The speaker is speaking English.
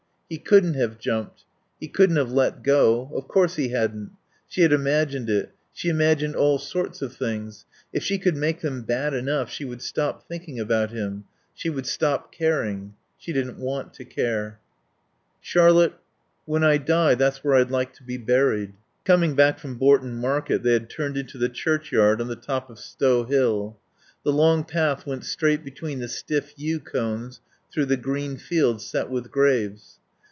He couldn't have jumped. He couldn't have let go. Of course he hadn't. She had imagined it. She imagined all sorts of things. If she could make them bad enough she would stop thinking about him; she would stop caring. She didn't want to care. "Charlotte when I die, that's where I'd like to be buried." Coming back from Bourton market they had turned into the churchyard on the top of Stow hill. The long path went straight between the stiff yew cones through the green field set with graves.